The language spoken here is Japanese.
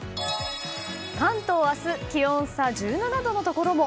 関東、明日気温差１７度のところも。